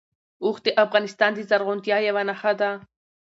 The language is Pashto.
اوښ د افغانستان د زرغونتیا یوه نښه ده.